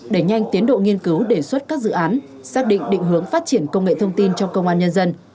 đẩy nhanh tiến độ nghiên cứu đề xuất các dự án xác định định hướng phát triển công nghệ thông tin trong công an nhân dân